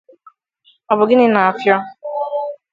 Ọ bụ gịnị na-afịọ